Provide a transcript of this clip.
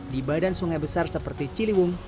di badan sungai besar seperti ciliwung